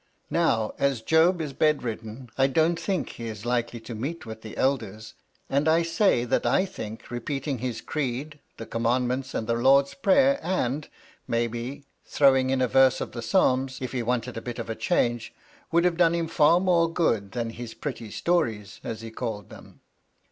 Now, as Job is bed ridden, I don't think he is likely to meet with the Elders, and I say that I think repeating his Creed, the Commandments, and the Lord's Prayer, and, maybe^ L 3 226 MY LADY LUDLOW. throwing in a verse of the Fsahns, if he wanted a bit of a change, would have done him £ar more good than his pretty stories, as he called them.